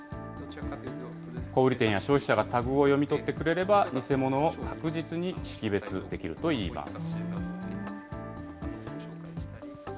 小売り店や消費者がタグを読み取ってくれれば、偽物を確実に識別できるといいます。